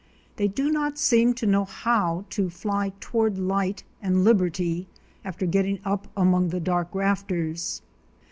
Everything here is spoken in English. They do not seem to know how to fly toward light and liberty after getting up among the dark rafters.